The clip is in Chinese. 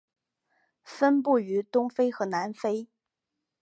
分布于东非和南非。